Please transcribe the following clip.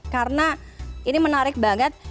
karena ini menarik banget